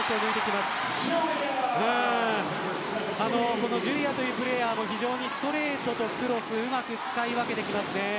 このジュリアというプレーヤーもストレートとクロスをうまく使い分けてきます。